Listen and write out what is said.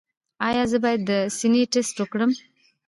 ایا زه باید د سینې ټسټ وکړم؟